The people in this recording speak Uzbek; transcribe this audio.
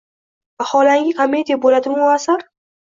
Vaholanki, komediya bo‘ladimi u asar?